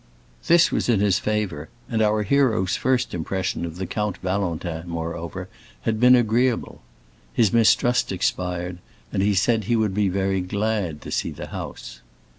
This was in his favor, and our hero's first impression of the Count Valentin, moreover, had been agreeable. His mistrust expired, and he said he would be very glad to see the house.